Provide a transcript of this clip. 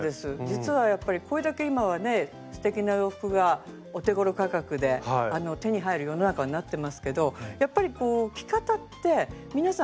実はやっぱりこれだけ今はねすてきな洋服がお手ごろ価格で手に入る世の中になってますけどやっぱりこう着方って皆さん